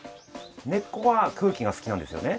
根っこは空気が好きなんですよね。